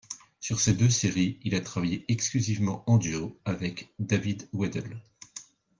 Sur ces deux séries, il a travaillé exclusivement en duo avec David Weddle.